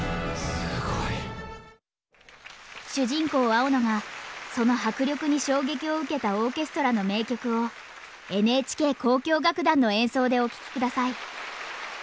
すごい！主人公・青野がその迫力に衝撃を受けたオーケストラの名曲をＮＨＫ交響楽団の演奏でお聴き下さい。